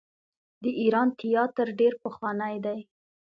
د ایران تیاتر ډیر پخوانی دی.